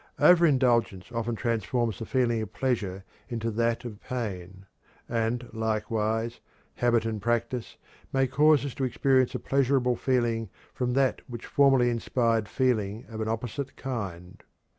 Over indulgence often transforms the feeling of pleasure into that of pain; and, likewise, habit and practice may cause us to experience a pleasurable feeling from that which formerly inspired feeling of an opposite kind.